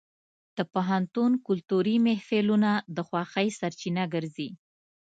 د پوهنتون کلتوري محفلونه د خوښۍ سرچینه ګرځي.